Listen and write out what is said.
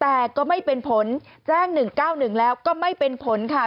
แต่ก็ไม่เป็นผลแจ้ง๑๙๑แล้วก็ไม่เป็นผลค่ะ